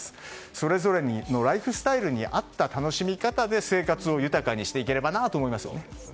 それぞれのライフスタイルに合った楽しみ方で生活を豊かにしていければなと思いますね。